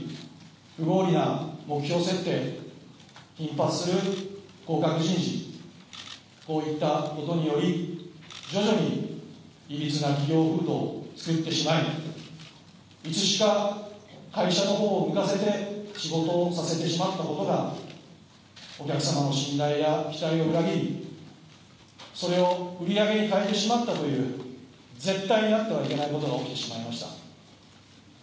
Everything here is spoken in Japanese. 不合理な目標設定頻発する降格人事こういったことにより徐々にいびつな企業風土を作ってしまいいつしか会社のほうを向かせて仕事をさせてしまったことがお客様の信頼や期待を裏切りそれを売り上げに変えてしまったという絶対にあってはいけないことが起きてしまいました。